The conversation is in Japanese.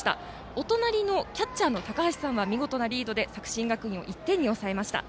お隣のキャッチャーのたかはしさんは見事なリードで作新学院を１点に抑えました。